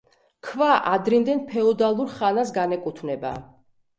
ქვა ადრინდელ ფეოდალურ ხანას განეკუთვნება.